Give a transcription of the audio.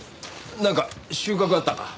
なんか収穫あったか？